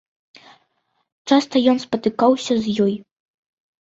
Часта ён спатыкаўся з ёй?